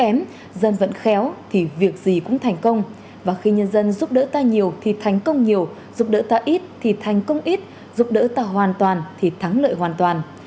kém dân vẫn khéo thì việc gì cũng thành công và khi nhân dân giúp đỡ ta nhiều thì thành công nhiều giúp đỡ ta ít thì thành công ít giúp đỡ ta hoàn toàn thì thắng lợi hoàn toàn